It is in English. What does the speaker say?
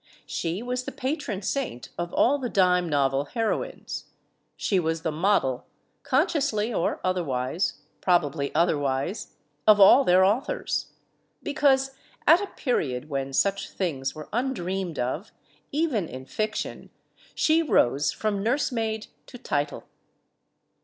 She was the patron saint of all the dime novel heroines; she was the model, conciously or otherwise probably other wise of all their authors. Because, at a period when such things were undreamed of, even in fiction, she rose from nursemaid to title.